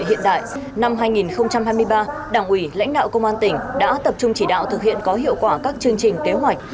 hiện đại năm hai nghìn hai mươi ba đảng ủy lãnh đạo công an tỉnh đã tập trung chỉ đạo thực hiện có hiệu quả các chương trình kế hoạch